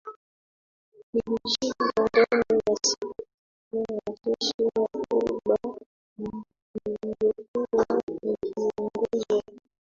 lilishindwa ndani ya Siku tatu na jeshi la Cuba lililokuwa likiongozwa